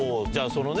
そのね